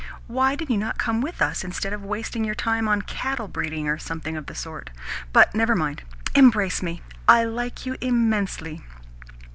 Why did you not come with us, instead of wasting your time on cattle breeding or something of the sort? But never mind. Embrace me. I like you immensely.